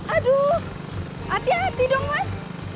aduh hati hati dong mas